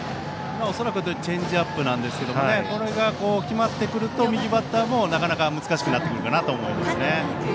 恐らくチェンジアップなんですけどこれが、決まってくると右バッターもなかなか難しくなってくるかなと思いますね。